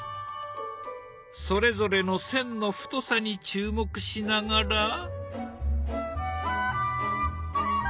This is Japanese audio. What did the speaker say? それぞれの線の太さに注目しながら。